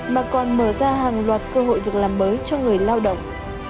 mà còn mở ra hàng loạt cơ hội việc làm mới cho người lao động